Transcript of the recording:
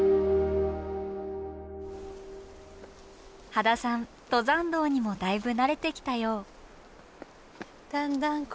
羽田さん登山道にもだいぶ慣れてきたよう。